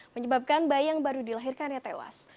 menyebabkan bayi yang baru dilahirkannya tewas